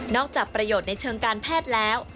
จากประโยชน์ในเชิงการแพทย์แล้ว